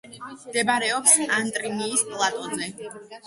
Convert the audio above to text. მდებარეობს ანტრიმის პლატოზე.